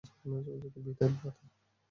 বিদায়, ভ্রাতা।